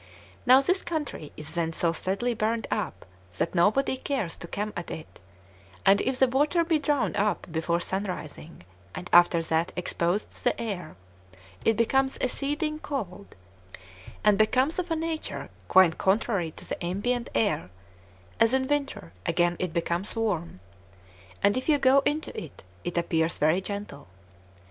Now this country is then so sadly burnt up, that nobody cares to come at it; and if the water be drawn up before sun rising, and after that exposed to the air, it becomes exceeding cold, and becomes of a nature quite contrary to the ambient air; as in winter again it becomes warm; and if you go into it, it appears very gentle.